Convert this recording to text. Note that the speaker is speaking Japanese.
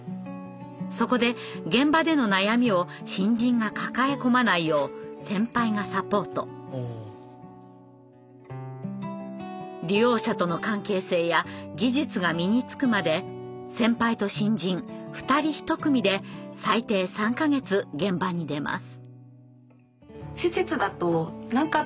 そこで利用者との関係性や技術が身につくまで先輩と新人２人１組で最低３か月現場に出ます。